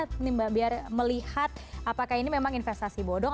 gimana nih mbak biar melihat apakah ini memang investasi bodong